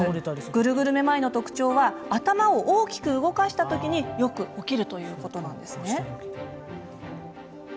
グルグルめまいの特徴は頭を大きく動かした時によく起きるということなんですね。